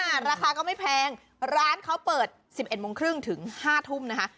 ราคาก็ไม่แพงร้านเขาเปิดสิบเอ็ดโมงครึ่งถึงห้าทุ่มนะคะ